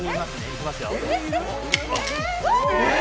いきますよ。